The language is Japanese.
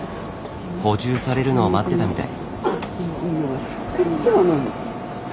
補充されるのを待ってたみたい。